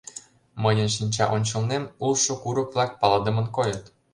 Мыйын шинча ончылнем улшо курык-влак палыдымын койыт.